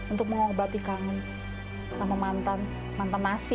untuk mengobati kangen sama mantan mantan nasi